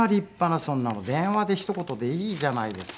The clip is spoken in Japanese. そんなの電話でひと言でいいじゃないですか。